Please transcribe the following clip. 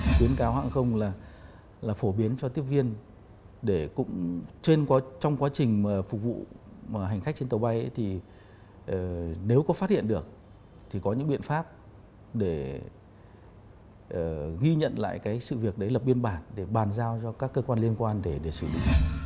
khuyến cáo hãng không là phổ biến cho tiếp viên để cũng trong quá trình phục vụ hành khách trên tàu bay thì nếu có phát hiện được thì có những biện pháp để ghi nhận lại cái sự việc đấy lập biên bản để bàn giao cho các cơ quan liên quan để xử lý